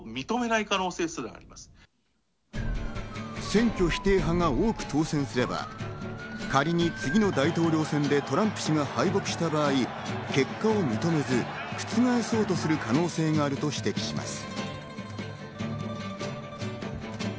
選挙否定派が多く当選すれば、仮に次の大統領選でトランプ氏が敗北した場合、結果を認めず、覆そうとする可能性があると指摘します。